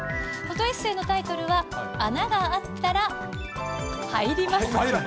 フォトエッセイのタイトルは、穴があったら入ります。